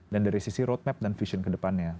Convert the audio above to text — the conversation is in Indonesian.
dan dari sisi roadmap dan vision kedepannya